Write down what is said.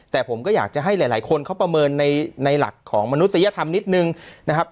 แต่ผมก็อยากจะให้หลายคนเขาประเมินในหลักของมนุษยธรรมนิดนึงนะครับ